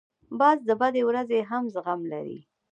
باز د بدې ورځې هم زغم لري